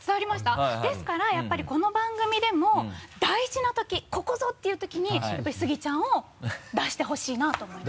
ですからやっぱりこの番組でも大事なときここぞっていうときにやっぱりスギちゃんを出してほしいなと思いまして。